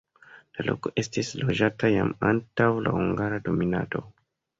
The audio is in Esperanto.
La loko estis loĝata jam antaŭ la hungara dominado.